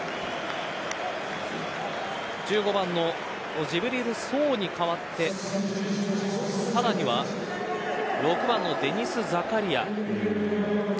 １５番のジブリル・ソウに代わってさらには６番のデニス・ザカリア。